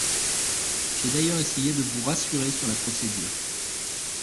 J’ai d’ailleurs essayé de vous rassurer sur la procédure.